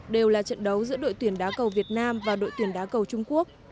đều là trận đấu giữa đội tuyển đá cầu việt nam và đội tuyển đá cầu trung quốc